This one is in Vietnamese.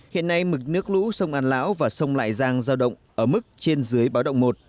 hiện nay mực nước lũ sông an lão và sông lại giang giao động ở mức trên dưới báo động một